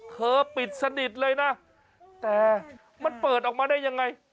ปิดสนิทเลยนะแต่มันเปิดออกมาได้ยังไง